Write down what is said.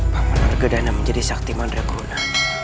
bagaimana warga dana menjadi sakti mandraguna